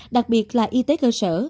đặc biệt là y tế cơ sở